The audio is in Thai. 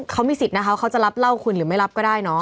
เขามีสิทธิ์นะคะเขาจะรับเหล้าคุณหรือไม่รับก็ได้เนาะ